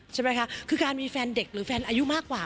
ใช่ไหมคะคือการมีแฟนเด็กหรือแฟนอายุมากกว่า